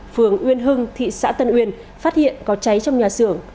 phường uyên hưng thị xã tân uyên phát hiện có cháy trong nhà xưởng